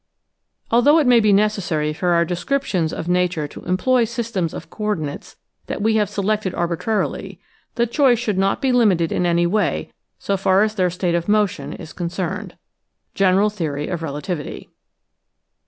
Although it may be necessary for our descrip tions of nature to employ systems of coordinates that TIME, SPACE, AND GRAVITATION 113 we have selected arbitrarily, the choice should not be limited in any way so far as their state of motion is concerned. (General theory of relativity.)